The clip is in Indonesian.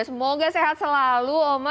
semoga sehat selalu oma